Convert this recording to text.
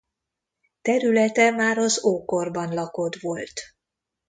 Területe már az ókorban lakott volt.